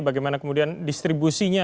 bagaimana kemudian distribusinya